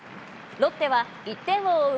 ロッテは１点を追う